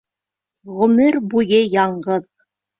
Ғүмер буйы яңғыҙ!..